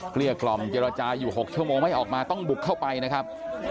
เกลี้กล่อมเจรจาอยู่๖ชั่วโมงไม่ออกมาต้องบุกเข้าไปนะครับ